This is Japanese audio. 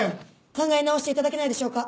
考え直して頂けないでしょうか？